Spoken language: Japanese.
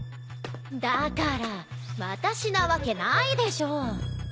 だから私なわけないでしょ！